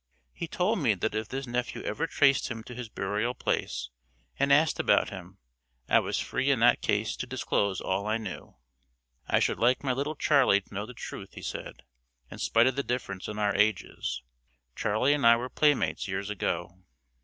He told me that if this nephew ever traced him to his burial place, and asked about him, I was free in that case to disclose all I knew. 'I should like my little Charley to know the truth,' he said. 'In spite of the difference in our ages, Charley and I were playmates years ago.